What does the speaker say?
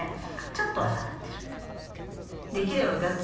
ちょっとは下がってる。